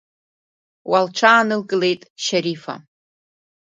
Уа лҽаанылкылеит Шьарифа.